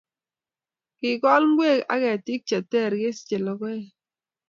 kikool ngwek ak ketik cheteer chesichei lokoek